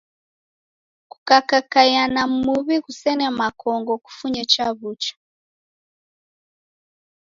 Kukakaia na muw'i ghusene makongo kufunye chaw'ucha.